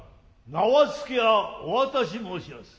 縄付はお渡し申します。